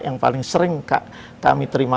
yang paling sering kami terima